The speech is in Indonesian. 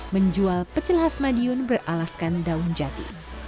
menjual pecel khas madiun beralaskan daun jati